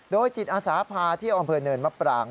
โดยจิตอาสาพาเที่ยวอำเภอเนินมะปราง